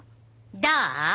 どう？